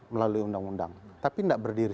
melalui undang undang tapi tidak berdiri